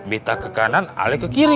bita ke kanan alik ke kiri